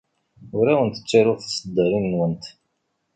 Ur awent-ttaruɣ tiṣeddarin-nwent.